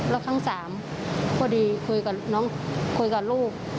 แล้วครั้งสามพอดีคุยกับลูก